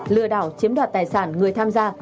lừa đảo chiếm đoạt tài sản người tham gia